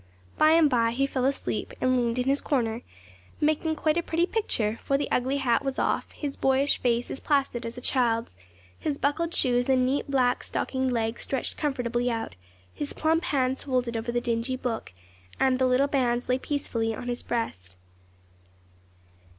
By and by he fell asleep, and leaned in his corner, making quite a pretty picture; for the ugly hat was off, his boyish face as placid as a child's, his buckled shoes and neat black stockinged legs stretched comfortably out, his plump hands folded over the dingy book, and the little bands lay peacefully on his breast.